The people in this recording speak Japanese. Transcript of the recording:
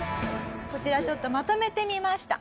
こちらちょっとまとめてみました。